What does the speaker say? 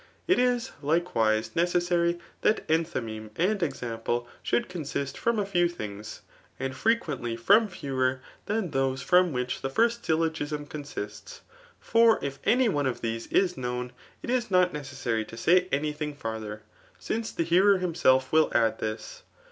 It is, Ukfwise^ necessary thA c^thyniemr and eiMtpljeishould cousistirom a lew things, and fr^uendy bpm fewer than those from which the first syllidgism dosaifts. For if jany que ^ these is known, it id nM necaesstty to. aay any tMng [farther;] since the heawr himself wiU add this.